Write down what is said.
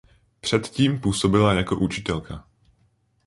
Předtím působila jako učitelka.